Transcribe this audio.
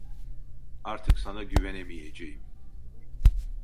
Artık sana güvenemeyeceğim!